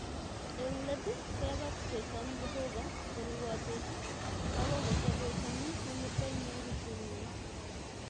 Eng let kebat kesom Jehovah koribotech ako kosorwech amu mometoi Mungu chinyi